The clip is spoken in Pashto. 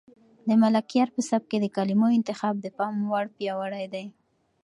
د ملکیار په سبک کې د کلمو انتخاب د پام وړ پیاوړی دی.